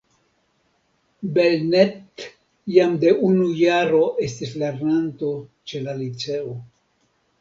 Belnett jam de unu jaro estis lernanto ĉe la liceo.